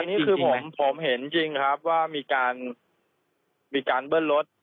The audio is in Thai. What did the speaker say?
อันนี้คือผมเห็นจริงครับว่ามีการเบิ้ลรถ